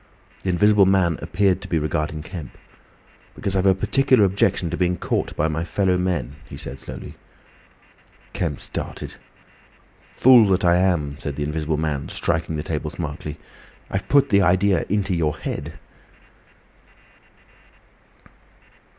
The Invisible Man appeared to be regarding Kemp. "Because I've a particular objection to being caught by my fellow men," he said slowly. Kemp started. "Fool that I am!" said the Invisible Man, striking the table smartly. "I've put the idea into your head."